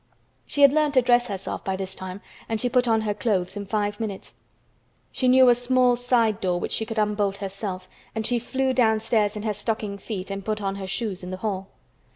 She had learned to dress herself by this time and she put on her clothes in five minutes. She knew a small side door which she could unbolt herself and she flew downstairs in her stocking feet and put on her shoes in the hall.